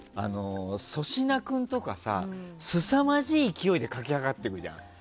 粗品君とかさ、すさまじい勢いで駆け上がっていくじゃん。